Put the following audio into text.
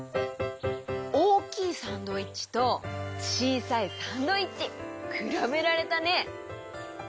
おおきいサンドイッチとちいさいサンドイッチ！くらべられたね！